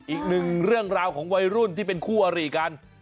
อีกหนึ่งเรื่องราวของวัยรุ่นที่เป็นคู่อริกัน